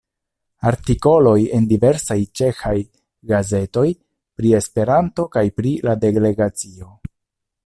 Artikoloj en diversaj ĉeĥaj gazetoj pri Esperanto kaj pri la Delegacio.